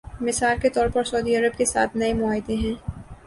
مثال کے طور پر سعودی عرب کے ساتھ نئے معاہدے ہیں۔